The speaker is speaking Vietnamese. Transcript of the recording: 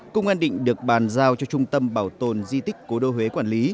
công an định được bàn giao cho trung tâm bảo tồn di tích cố đô huế quản lý